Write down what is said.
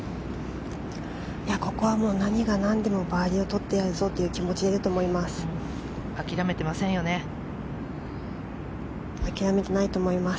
ここはもう何が何でもバーディーを取ってやるぞという気持ちでいると思います。